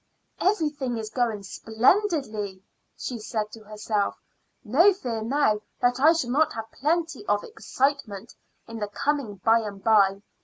"Everything is going splendidly," she said to herself. "No fear now that I shall not have plenty of excitement in the coming by and by.